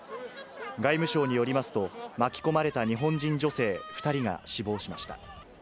外務省によりますと、巻き込まれた日本人女性２人が死亡しました。